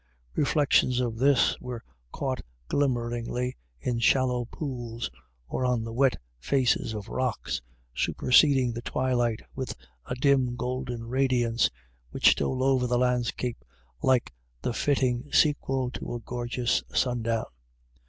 Reflections of this were caught glimmeringly in shallow pools, or on the wet A WET DAY. 103 faces of rocks, superseding the twilight with a dim golden radiance, which stole over the landscape like the fitting sequel to a gorgeous sundown.